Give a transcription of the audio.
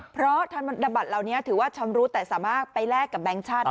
เพราะธนบัตรเหล่านี้ถือว่าชำรุดแต่สามารถไปแลกกับแบงค์ชาติได้